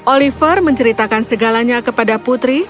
oliver menceritakan segalanya kepada putri